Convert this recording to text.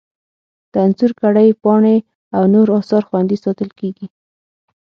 د انځورګرۍ پاڼې او نور اثار خوندي ساتل کیږي.